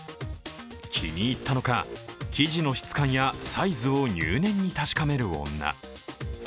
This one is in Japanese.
気に入ったのか、生地の質感やサイズを入念に確かめる女。